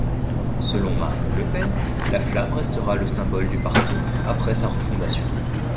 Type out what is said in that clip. Selon Marine Le Pen, la flamme restera la symbole du parti après sa refondation.